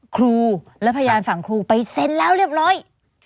ครูและพยานฝั่งครูไปเซ็นแล้วเรียบร้อย